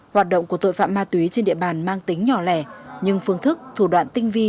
hoạt động của tội phạm ma túy trên địa bàn mang tính nhỏ lẻ nhưng phương thức thủ đoạn tinh vi